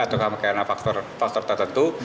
atau karena faktor tertentu